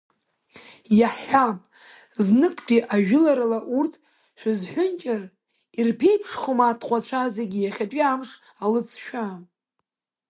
Иаҳҳәап, зныктәи ажәыларала урҭ шәызҳәынҷар, ирԥеиԥшхома атҟәацәа зегь иахьатәи амш алыҵшәа?